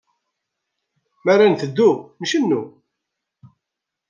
Mi ara netteddu, ncennu.